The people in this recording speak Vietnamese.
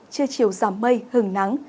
chưa chiều giảm mây hừng nắng